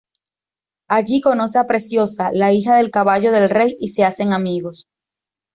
Allí conoce a Preciosa, la hija del caballo del rey y se hacen amigos.